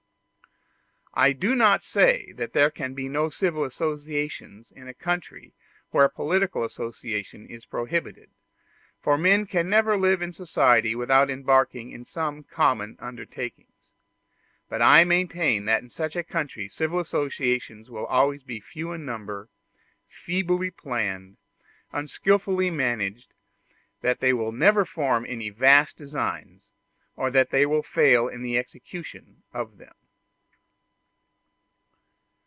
I do not say that there can be no civil associations in a country where political association is prohibited; for men can never live in society without embarking in some common undertakings: but I maintain that in such a country civil associations will always be few in number, feebly planned, unskillfully managed, that they will never form any vast designs, or that they will fail in the execution of them.